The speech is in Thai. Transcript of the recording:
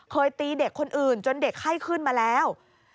เคยตีเด็กคนอื่นจนเด็กไข้ขึ้นมาแล้ว